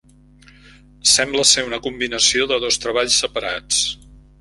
Sembla ser una combinació de dos treballs separats.